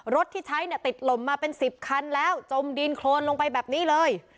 รถที่ใช้เนี่ยติดลมมาเป็น๑๐คันแล้วจมดินโครนลงไปแบบนี้เลย